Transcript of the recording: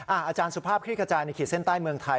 อาจารย์สุภาพคลี่ขจายในขีดเส้นใต้เมืองไทย